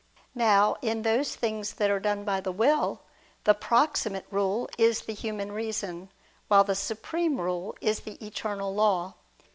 Now in those things that are done by the will, the proximate rule is the human reason, while the supreme rule is the Eternal Law.